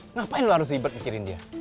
ngapain lo harus ribet mikirin dia